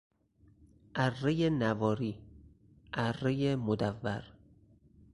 ارهی نواری، ارهی مدور